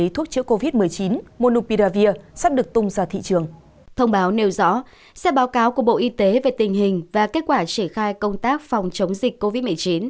thông báo nêu rõ xét báo cáo của bộ y tế về tình hình và kết quả trể khai công tác phòng chống dịch covid một mươi chín